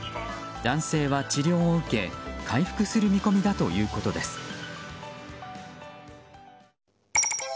男性は治療を受け回復する見込みだということです。